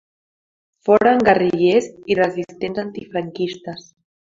Foren guerrillers i resistents antifranquistes.